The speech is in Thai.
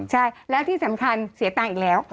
ใช่แล้วที่สำคัญเสียตังค์อีกแล้ว